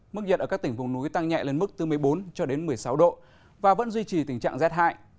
mức nhiệt ở các tỉnh vùng núi tăng nhẹ lên mức từ một mươi bốn cho đến một mươi sáu độ và vẫn duy trì tình trạng rét hại